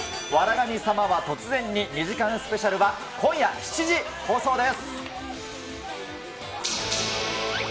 神様は突然に２時間スペシャルは今夜７時放送です。